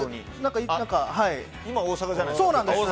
今、大阪じゃないですか。